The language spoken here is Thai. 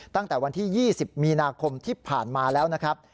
ตั้งแต่วันที่๒๐มีนาคมที่ผ่านมาแล้วนะครับ